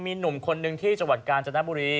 มีหนุ่มคนหนึ่งที่จังหวัดกาญจนบุรี